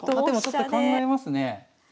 でもちょっと考えますね。